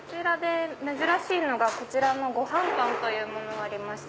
珍しいのがごはんパンというものありまして。